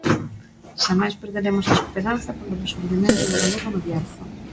Xamais perderemos a esperanza polo rexurdimento do galego no Bierzo.